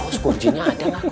oh skorjinnya ada lah